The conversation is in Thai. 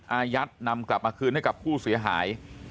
แล้วก็จะขยายผลต่อด้วยว่ามันเป็นแค่เรื่องการทวงหนี้กันอย่างเดียวจริงหรือไม่